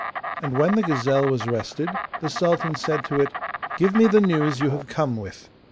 And when the gazelle was rested, the sultan said to it: 'Give me the news you have come with.